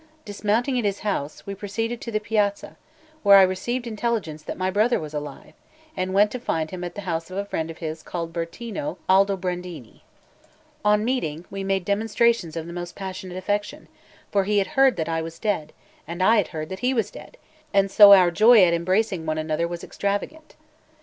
Dismounting at his house, we proceeded to the piazza, where I received intelligence that my brother was alive, and went to find him at the house of a friend of his called Bertino Aldobrandini. On meeting, we made demonstrations of the most passionate affection; for he had heard that I was dead, and I had heard that he was dead; and so our joy at embracing one another was extravagant.